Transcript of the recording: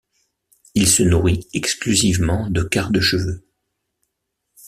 Il se nourrit exclusivement de quarts de cheveux.